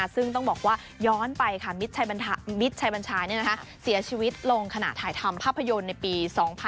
ซึ่งต้องบอกว่าย้อนไปค่ะมิตรชัยบัญชาเสียชีวิตลงขณะถ่ายทำภาพยนตร์ในปี๒๕๖๒